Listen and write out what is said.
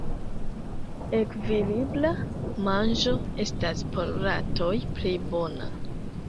Ekvilibra manĝo estas por ratoj plej bona.